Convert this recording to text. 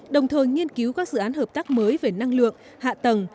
đồng thời nghiên cứu các dự án hợp tác mới về năng lượng hạ tầng